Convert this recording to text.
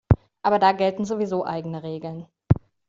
Aber da gelten sowieso eigene Regeln.